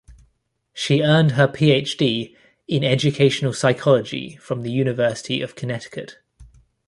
She earned her Ph.D. in educational psychology from the University of Connecticut.